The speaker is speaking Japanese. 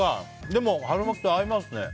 でも、春巻きと合いますね。